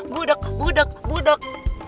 budak budak budak